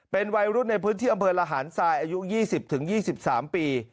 เป็นวัยรุ่นในพื้นที่อำเภอระหารทรายอายุ๒๐๒๓ปี